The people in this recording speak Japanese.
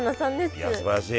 いやすばらしい！